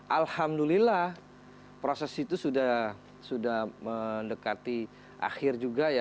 alhamdulillah proses itu sudah mendekati akhir juga ya